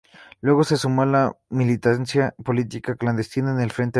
Luego se sumó a la militancia política clandestina en el Frente Amplio.